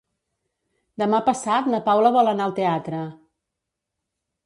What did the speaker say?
Demà passat na Paula vol anar al teatre.